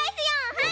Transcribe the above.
はい。